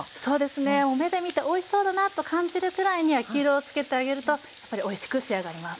目で見ておいしそうだなと感じるくらいに焼き色をつけてあげるとやっぱりおいしく仕上がります。